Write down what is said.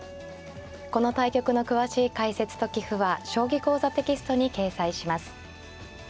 この対局の詳しい解説と棋譜は「将棋講座」テキストに掲載します。